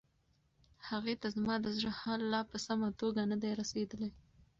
هغې ته زما د زړه حال لا په سمه توګه نه دی رسیدلی.